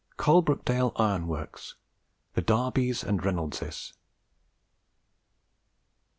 COALBROOKDALE IRON WORKS THE DARBYS AND REYNOLDSES.